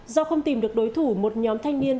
do không tìm được đối thủ một nhóm thanh niên